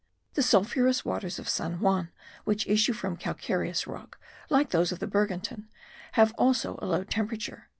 The sulphurous waters of San Juan which issue from calcareous rock, like those of the Bergantin, have also a low temperature (31.